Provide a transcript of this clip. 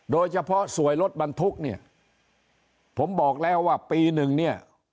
โดยเฉพาะสวยรถบรรทุกเนี่ยผมบอกแล้วว่าปีหนึ่งเนี่ย